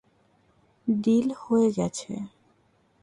Deal হয়ে গেছে?